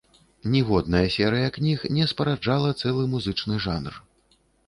Ніводная серыя кніг не спараджала цэлы музычны жанр.